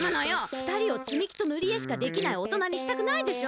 ふたりをつみ木とぬり絵しかできないおとなにしたくないでしょ？